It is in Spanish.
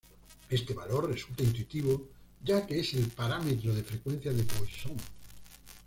Este valor resulta intuitivo ya que es el parámetro de frecuencia de Poisson.